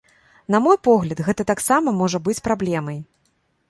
На мой погляд, гэта таксама можа быць праблемай.